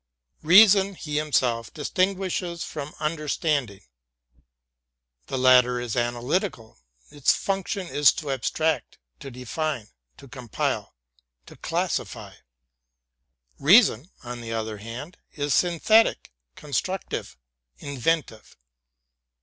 Reason he himself distinguishes from understanding. The latter is analytical, its function is to abstract, to define, to compile, to classify. Reason, on the other hand, is syn thetic, constructive, inventive.